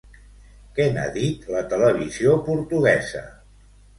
Què n'ha dit la televisió portuguesa?